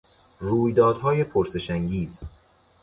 رویدادهای پرسشانگیز